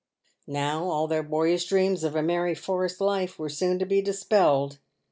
Now all their boyish dreams of a merry forest life were soon to be dispelled.